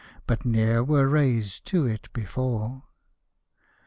But ne'er were raised to it before